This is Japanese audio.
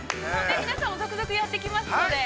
◆皆さん続々やってきますので。